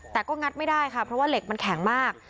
แต่ก็งัดไม่ได้ค่ะเพราะว่าเหล็กมันแข็งมาก